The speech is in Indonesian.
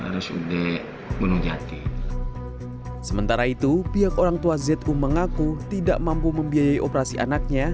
rsud gunung jati sementara itu pihak orang tua zu mengaku tidak mampu membiayai operasi anaknya